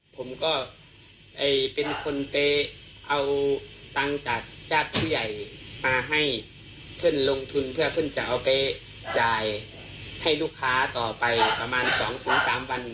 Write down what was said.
ผมก็เป็นคนไปเอาตังค์จากญาติผู้ใหญ่มาให้เพื่อนลงทุนเพื่อเพื่อนจะเอาไปจ่ายให้ลูกค้าต่อไปประมาณ๒๓วัน